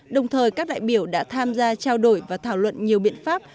đồng thời các đại biểu đã tham gia trao đổi và thảo luận nhiều biện pháp